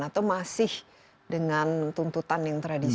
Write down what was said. atau masih dengan tuntutan yang tradisional